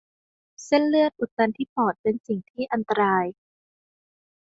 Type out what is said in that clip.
เส้นเลือดอุดตันที่ปอดเป็นสิ่งที่อันตราย